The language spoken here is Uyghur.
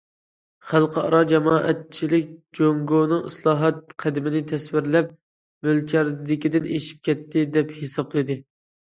خەلقئارا جامائەتچىلىك جۇڭگونىڭ ئىسلاھات قەدىمىنى تەسۋىرلەپ،« مۆلچەردىكىدىن ئېشىپ كەتتى»، دەپ ھېسابلىدى.